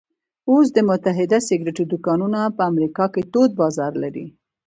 اوس د متحده سګرېټو دوکانونه په امریکا کې تود بازار لري